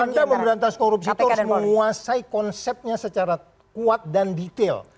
anda memberantas korupsi itu harus menguasai konsepnya secara kuat dan detail